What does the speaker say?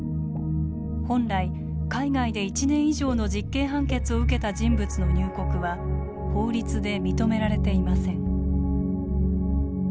本来海外で１年以上の実刑判決を受けた人物の入国は法律で認められていません。